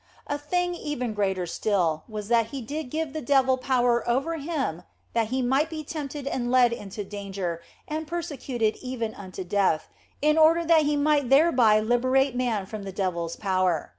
A thing even greater still was, that He did give the devil power over Him that He might be tempted and led into danger and persecuted even unto death, in order that He might thereby liberate man from the devil s power.